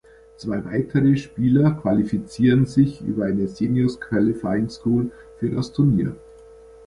Zwei weitere Spieler qualifizieren sich über eine Seniors Qualifying School für das Turnier.